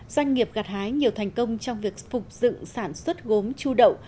doanh nghiệp gạt hái nhiều thành công trong việc phục dựng sản xuất gốm chu đậu